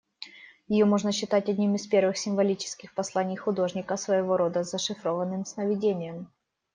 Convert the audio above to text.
Ее можно считать одним из первых символических посланий художника, своего рода зашифрованным «сновидением».